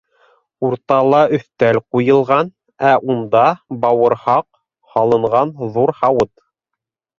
Уртала өҫтәл ҡуйылған, ә унда бауырһаҡ һалынған ҙур һауыт.